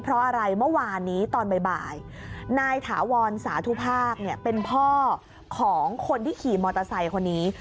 เพราะอะไรเมื่อวานนี้ตอนบ่ายนายถาวรสาธุภาคเป็นพ่อของคนที่ขี่มอเตอร์ไซค์คนนี้